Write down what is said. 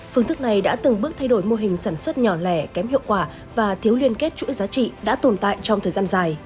phương thức này đã từng bước thay đổi mô hình sản xuất nhỏ lẻ kém hiệu quả và thiếu liên kết chuỗi giá trị đã tồn tại trong thời gian dài